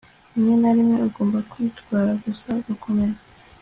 rimwe na rimwe, ugomba kwitwara gusa ugakomeza